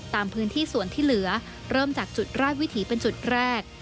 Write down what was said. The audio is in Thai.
ตามพื้นที่ส่วนที่เหลือเริ่มจากจุดราชวิถีเป็นจุดแรก